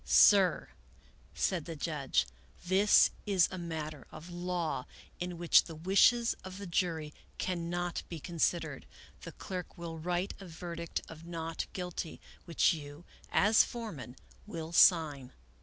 Sir," said the judge, " this is a matter of law in which the wishes of the jury cannot be considered. The clerk will write a verdict of not guilty, which you, as foreman, will sign."